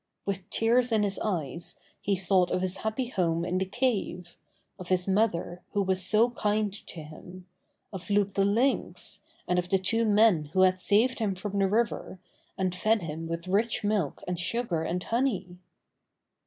With tears in his eyes, he thought of his happy home in the cave, of his mother who was so kind to 50 Buster the Bear him, of Loup the Lynx, and of the two men who had saved him from the river, and fed him with rich milk and sugar and honey.